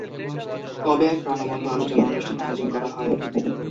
কবে এক প্রাণবন্ত আলোচনা অনুষ্ঠান আয়োজন করা হয়?